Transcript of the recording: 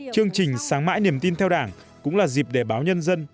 chương trình sáng mãi niềm tin theo đảng cũng là dịp để báo nhân dân